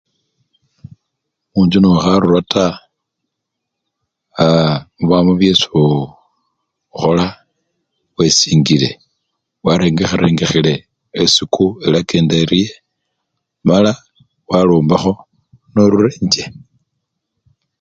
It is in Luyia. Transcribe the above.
Munjju nokharura taa aa! mubamo byesiii ukhola, wesingile warengekharingile esiku elakenda erye mala walombakho norura enjje.